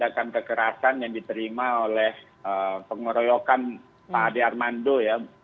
saya ingin mengucapkan yang diterima oleh penguroyokan pak d armando ya